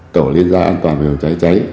tổ liên gia an toàn phòng cháy cháy